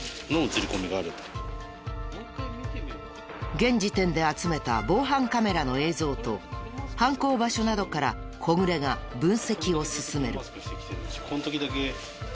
現時点で集めた防犯カメラの映像と犯行場所などから小暮が分析を進める。